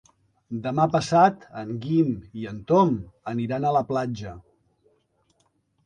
Demà passat en Guim i en Tom aniran a la platja.